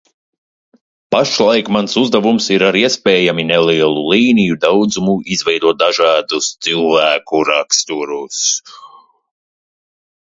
Pašlaik mans uzdevums ir ar iespējami nelielu līniju daudzumu izveidot dažādus cilvēku raksturus.